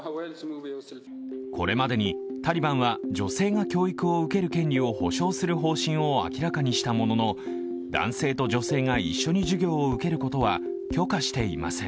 これまでにタリバンは女性が教育を受ける権利を保障する方針を明らかにしたものの、男性と女性が一緒に授業を受けることは許可していません。